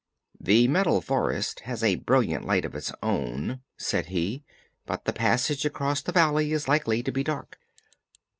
"The Metal Forest has a brilliant light of its own," said he, "but the passage across the valley is likely to be dark."